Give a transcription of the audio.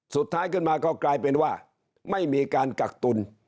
สุดท้ายขึ้นมาก็กลายเป็นว่าไม่มีการกักตุล